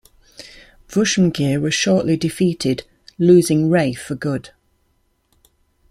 Vushmgir was shortly defeated, losing Ray for good.